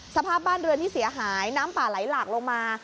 สภาพบ้านเรือนที่เสียหายน้ำป่าไหลหลากลงมา